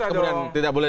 kemudian tidak boleh